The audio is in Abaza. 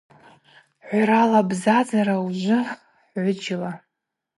Гӏврала бзазара – ужвы гӏвыджьла.